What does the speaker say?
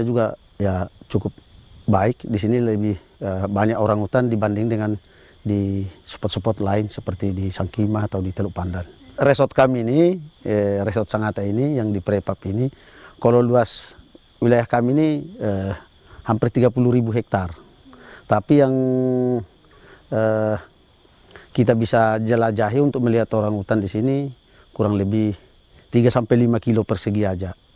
jalan jahe untuk melihat orang hutan di sini kurang lebih tiga sampai lima kilo persegi aja